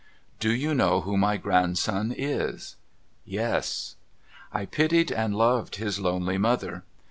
' Do you know who my grandson is ?' Yes. ' I pitied and loved his lonely mother.